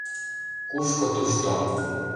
Кушко тушто!